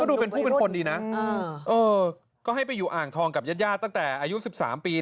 เออก็ดูเป็นผู้เป็นคนดีนะเออก็ให้ไปอยู่อ่างทองกับญาติตั้งแต่อายุสิบสามปี